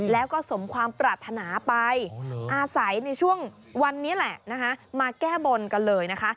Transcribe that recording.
แล้วก็สมความปรารถนาไปอาศัยในช่วงวันนี้แหละนะคะมาแก้บนกันเลยนะคะ